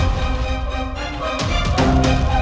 maksudnya mungkin cuz centimetra